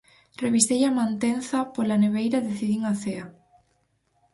Revisei a mantenza pola neveira e decidín a cea.